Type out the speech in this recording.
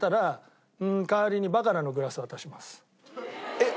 えっ？